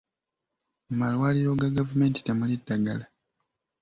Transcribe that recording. Mu malwaliro ga gavumenti temuli ddagala.